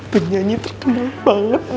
penyanyi terkenal banget men